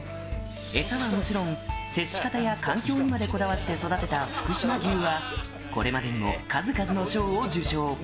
餌はもちろん、接し方や環境にまでこだわって育てた福島牛は、これまでにも数々の賞を受賞。